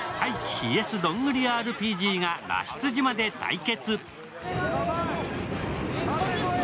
ＹｅｓどんぐりＲＰＧが脱出島で対決。